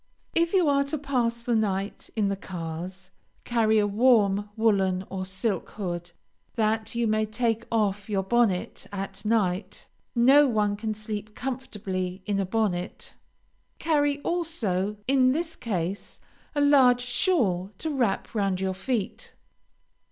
If you are to pass the night in the cars, carry a warm woolen or silk hood, that you may take off your bonnet at night. No one can sleep comfortably in a bonnet. Carry also, in this case, a large shawl to wrap round your feet.